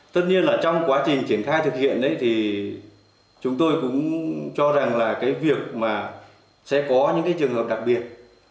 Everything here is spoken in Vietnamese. tất nhiên là trong quá trình triển khai thực hiện đấy thì chúng tôi cũng cho rằng là cái việc mà sẽ có những cái trường hợp đặc biệt